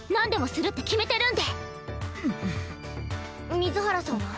水原さんは？